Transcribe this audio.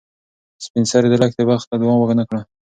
سپین سرې د لښتې بخت ته دعا ونه کړه.